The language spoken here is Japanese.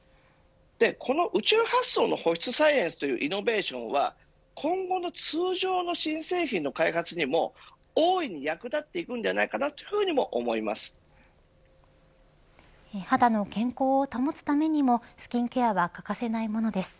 この宇宙発想の保湿サイエンスというイノベーションは今後の通常の新製品の開発にも大いに役立っていくのでは肌の健康を保つためにもスキンケアは欠かせないものです。